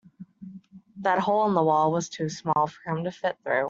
That hole in the wall was too small for him to fit through.